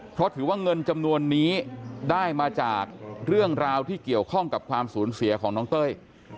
เพราะถือว่าเงินจำนวนนี้ได้มาจากเรื่องราวที่เกี่ยวข้องกับความสูญเสียของน้องเต้ย